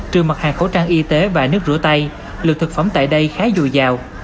trừ mặt hàng khẩu trang y tế và nước rửa tay lượng thực phẩm tại đây khá dồi dào